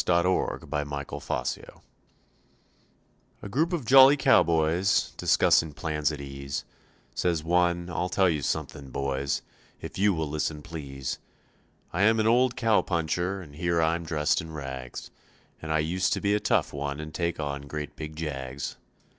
WHEN WORK IS DONE THIS FALL A group of jolly cowboys, discussing plans at ease, Says one, "I'll tell you something, boys, if you will listen, please. I am an old cow puncher and here I'm dressed in rags, And I used to be a tough one and take on great big jags.